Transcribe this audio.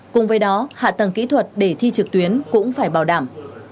cùng với đó hạ tầng kỹ thuật để thi trực tuyến cũng phải bảo đảm